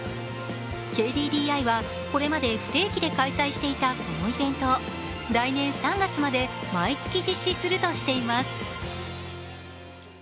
ＫＤＤＩは、これまで不定期で開催していたこのイベントを来年３月まで毎月実施するとしています。